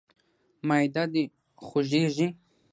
معده د خوږیږي؟